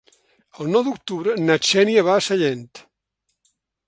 El nou d'octubre na Xènia va a Sallent.